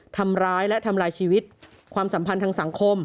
ทำร้ายและทำลายชีวิตความสัมพันธ์ทางสังคม